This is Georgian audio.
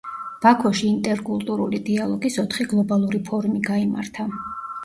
ბაქოში ინტერკულტურული დიალოგის ოთხი გლობალური ფორუმი გაიმართა.